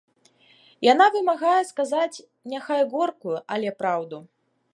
Яна вымагае сказаць няхай горкую, але праўду.